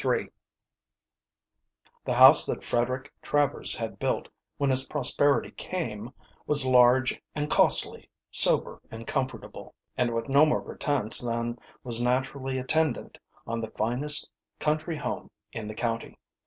III The house that Frederick Travers had built when his prosperity came, was large and costly, sober and comfortable, and with no more pretence than was naturally attendant on the finest country home in the county.